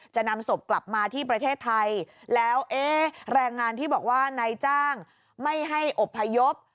จะนำศพกลับมาที่ประเทศไทยแล้วเอ๊ะแรงงานที่บอกว่านายจ้างไม่ให้อบพยพ